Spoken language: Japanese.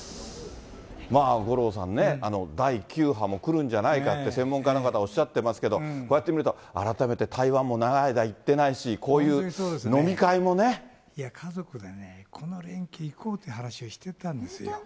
まあ五郎さんね、第９波も来るんじゃないかって、専門家の方おっしゃってますけど、こうやって見ると、改めて台湾も長い間行ってないし、こういう飲み会もね。いや、家族でね、この連休行こうって話をしてたんですよ。